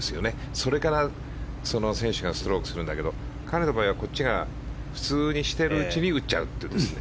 それから選手がストロークするんだけど彼の場合は普通にしているうちに打っちゃうというね。